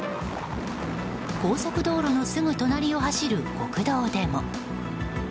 高速道路のすぐ隣を走る国道でも。